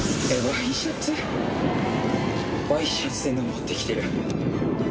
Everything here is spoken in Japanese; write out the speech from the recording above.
ワイシャツで登ってきてる。